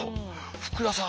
福田さん。